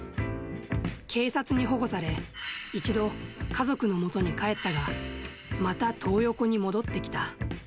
警察に保護され、一度、家族のもとに帰ったが、またトー横に戻ってきた。